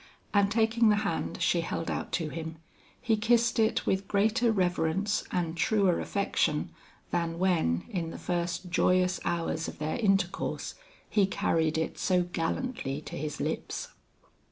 And taking the hand she held out to him, he kissed it with greater reverence and truer affection than when, in the first joyous hours of their intercourse, he carried it so gallantly to his lips.